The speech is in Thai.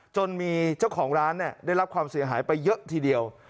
จนมีเจ้าของร้านได้รับความเสียหายไปเยอะทีเดียว